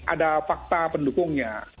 ada fakta pendukungnya